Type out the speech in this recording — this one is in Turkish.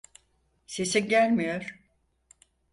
Sesin gelmiyor.